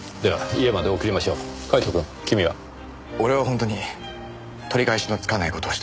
俺は本当に取り返しのつかない事をした。